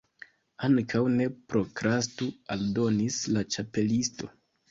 "Ankaŭ ne prokrastu," aldonis la Ĉapelisto